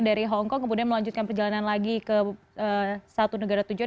dari hongkong kemudian melanjutkan perjalanan lagi ke satu negara tujuan